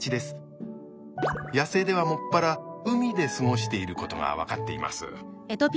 野生では専ら海で過ごしていることが分かっています。